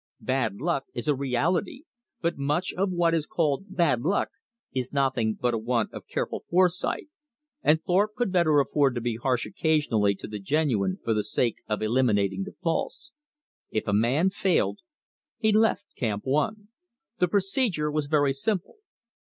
Bad luck is a reality; but much of what is called bad luck is nothing but a want of careful foresight, and Thorpe could better afford to be harsh occasionally to the genuine for the sake of eliminating the false. If a man failed, he left Camp One. The procedure was very simple.